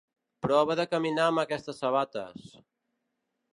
Prova de caminar amb aquestes sabates.